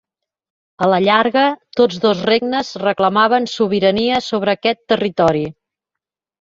A la llarga tots dos regnes reclamaven sobirania sobre aquest territori.